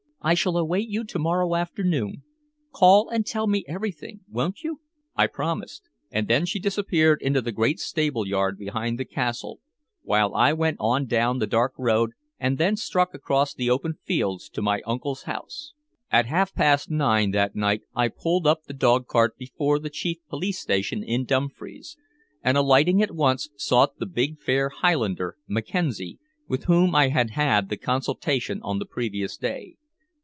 "I shall await you to morrow afternoon. Call and tell me everything, won't you?" I promised, and then she disappeared into the great stable yard behind the castle, while I went on down the dark road and then struck across the open fields to my uncle's house. At half past nine that night I pulled up the dog cart before the chief police station in Dumfries, and alighting at once sought the big fair Highlander, Mackenzie, with whom I had had the consultation on the previous day.